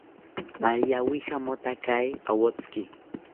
Ari awijamotakae awotziki